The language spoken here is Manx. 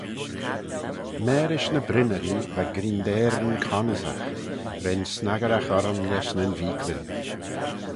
Marish ny brynnyree va grindeyryn connyssagh: ren snaggeraght orrym lesh nyn veeacklyn.